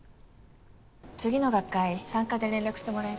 次の学会参加で連絡してもらえる？